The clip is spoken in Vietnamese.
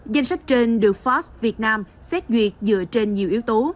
danh sách trên được forbes việt nam xét duyệt dựa trên nhiều yếu tố